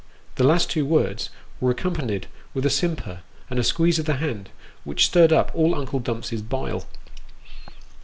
" The last two words were accompanied with a simper, and a squeeze of the hand, which stirred up all Uncle Dumps's bile.